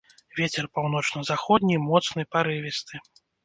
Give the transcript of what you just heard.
Вецер паўночна-заходні моцны парывісты.